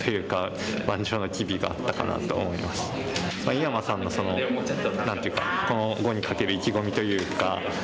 井山さんの何ていうかこの碁にかける意気込みというか。